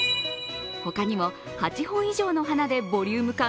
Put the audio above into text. ほかにも８本以上の花でボリューム感